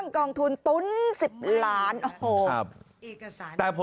แม่ของแม่ชีอู๋ได้รู้ว่าแม่ของแม่ชีอู๋ได้รู้ว่า